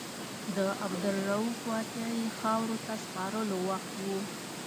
د عبدالرؤف واسعي خاورو ته سپارلو وخت و.